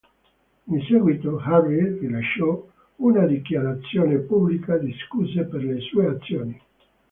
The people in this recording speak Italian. In seguito, Harry rilasciò una dichiarazione pubblica di scuse per le sue azioni.